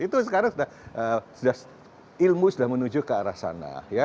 itu sekarang sudah ilmu sudah menuju ke arah sana